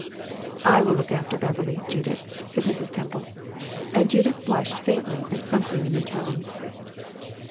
"I will look after Beverley, Judith," said Mrs. Temple, and Judith blushed faintly at something in the tone.